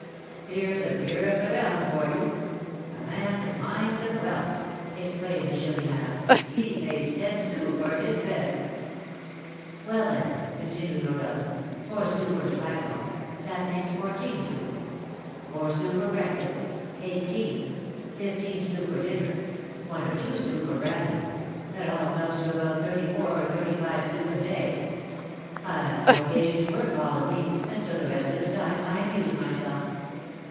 "Here's a peer of the realm for you! a man with mines of wealth!" exclaimed the Chourineur; "he pays ten sous for his bed!" "Well, then," continued Rodolph, "four sous for tobacco; that makes fourteen sous; four sous for breakfast, eighteen; fifteen sous for dinner; one or two sous for brandy; that all comes to about thirty four or thirty five sous a day. I have no occasion to work all the week, and so the rest of the time I amuse myself."